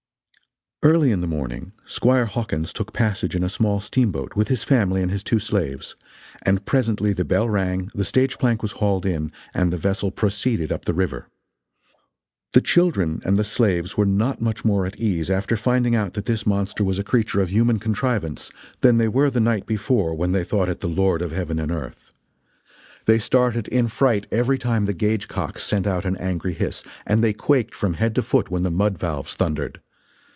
Early in the morning Squire Hawkins took passage in a small steamboat, with his family and his two slaves, and presently the bell rang, the stage plank was hauled in, and the vessel proceeded up the river. The children and the slaves were not much more at ease after finding out that this monster was a creature of human contrivance than they were the night before when they thought it the Lord of heaven and earth. They started, in fright, every time the gauge cocks sent out an angry hiss, and they quaked from head to foot when the mud valves thundered.